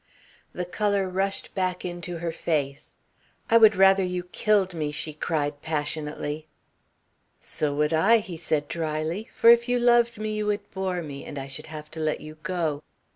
The colour rushed back into her face. "I would rather you killed me," she cried passionately. "So would I," he said drily, "for if you loved me you would bore me and I should have to let you go.